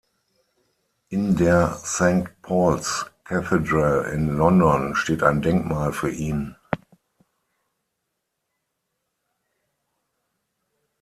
In der St Paul’s Cathedral in London steht ein Denkmal für ihn.